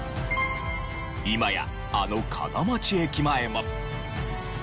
今やあの金町駅前も。